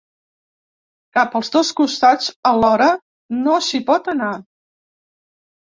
Cap als dos costats alhora no s’hi pot anar.